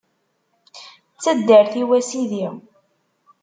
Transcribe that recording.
D taddart-iw, a Sidi.